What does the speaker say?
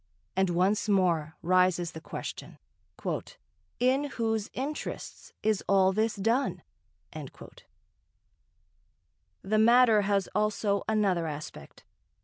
And once more rises the question: "In whose interests is all this done?" The matter has also another aspect.